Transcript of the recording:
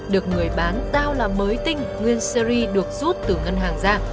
được người bán tao là mới tinh nguyên series được rút từ ngân hàng ra